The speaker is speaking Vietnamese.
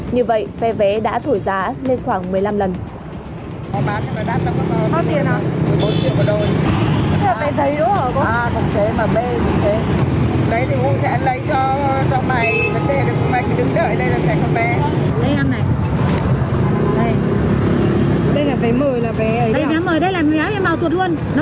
như vậy phe vé đã thổi giá lên khoảng một mươi năm lần